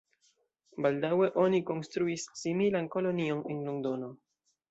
Baldaŭe oni konstruis similan kolonion en Londono.